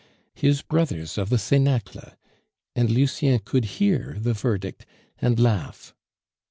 His brothers of the cenacle! And Lucien could hear the verdict and laugh.